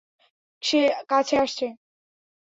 সে কাছে আসছে।